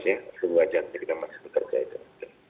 sebuah jangka kita masih bekerja itu